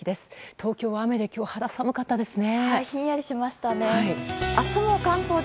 東京は雨で今日肌寒かったですね。